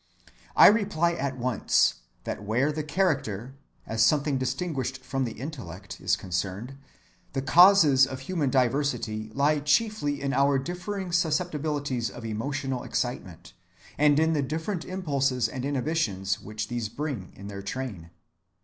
I reply at once that where the character, as something distinguished from the intellect, is concerned, the causes of human diversity lie chiefly in our differing susceptibilities of emotional excitement, and in the different impulses and inhibitions which these bring in their train.